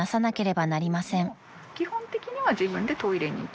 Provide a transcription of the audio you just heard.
基本的には自分でトイレに行って？